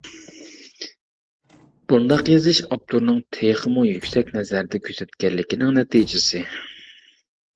بۇنداق يېزىش ئاپتورنىڭ تېخىمۇ يۈكسەك نەزەردە كۆزەتكەنلىكىنىڭ نەتىجىسى.